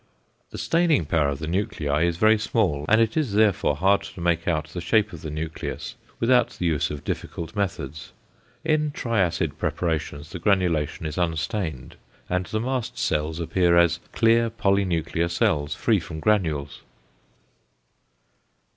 The staining power of the nuclei is very small, and it is therefore hard to make out the shape of the nucleus without the use of difficult methods. In triacid preparations the granulation is unstained, and the mast cells appear as clear, polynuclear cells, free from granules.